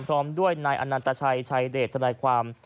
พร้อมด้วยนายอนันตชัยชัยเดชทนายความ